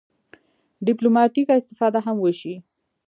ډیپلوماټیکه استفاده هم وشي.